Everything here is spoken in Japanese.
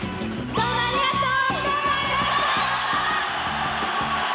どうもありがとう。